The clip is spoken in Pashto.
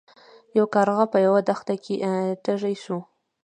یو کارغه په یوه دښته کې تږی شو.